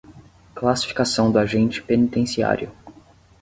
Classificação do agente penitenciário